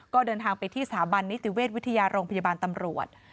ก็เดินทางไปที่สถาบันนิติเวชวิทยาโรงพยาบาลตำรวจ